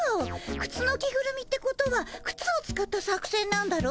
くつの着ぐるみってことはくつを使った作戦なんだろう？